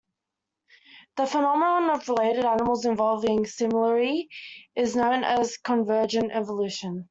The phenomenon of related animals evolving similarly is known as convergent evolution.